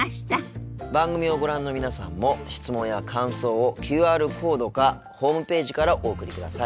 番組をご覧の皆さんも質問や感想をＱＲコードかホームページからお送りください。